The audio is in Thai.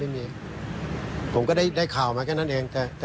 ผมก็ได้ข่าวมาแค่นั้นเอง